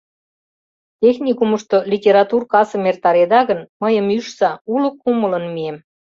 Техникумышто литератур касым эртареда гын, мыйым ӱжса, уло кумылын мием.